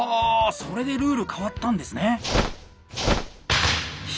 それでルール変わったんですね！